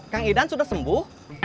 kang idan sudah sembuh